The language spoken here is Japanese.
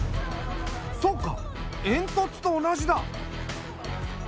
そうか煙突と同じだ。